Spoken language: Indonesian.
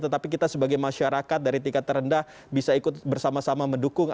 tetapi kita sebagai masyarakat dari tingkat terendah bisa ikut bersama sama mendukung